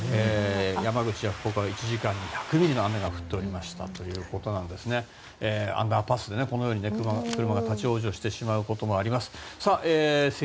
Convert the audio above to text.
山口や福岡で１時間に１００ミリの雨が降っていたということでアンダーパスで車が立ち往生をしてしまうこともあります。